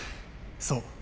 そう。